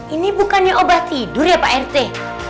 ini bukannya obat tidur ya pak rt